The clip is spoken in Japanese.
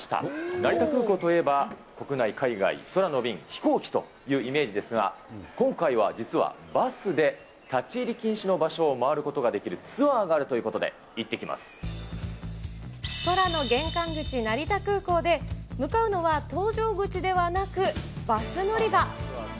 成田空港といえば、国内海外空の便、飛行機というイメージですが、今回は実はバスで立ち入り禁止の場所を回ることができるツアーが空の玄関口、成田空港で、向かうのは搭乗口ではなく、バス乗り場。